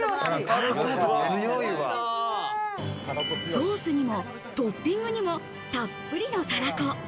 ソースにもトッピングにもたっぷりのたらこ。